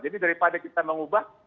jadi daripada kita mengubah